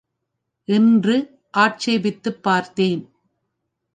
என்று ஆட்சேபித்துப் பார்த்தேன்.